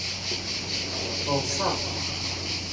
Teḍsa.